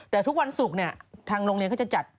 แต่ทุกวันศุกร์เนี่ยทางโรงเรียนก็จะจัด